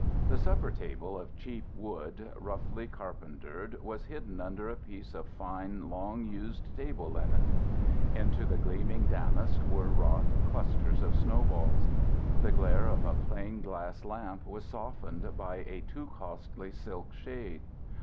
The supper table of cheap wood roughly carpentered was hidden under a piece of fine long used table linen; into the gleaming damask were wrought clusters of snowballs. The glare of a plain glass lamp was softened by a too costly silk shade.